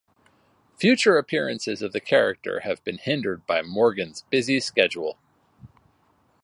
Future appearances of the character have been hindered by Morgan's busy schedule.